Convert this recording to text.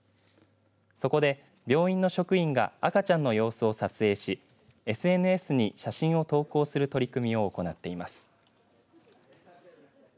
そこで、病院の職員が赤ちゃんの様子を撮影しＳＮＳに写真を投稿する取り組みを行っています。